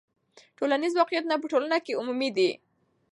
ټولنیز واقعیتونه په ټولنه کې عمومي دي.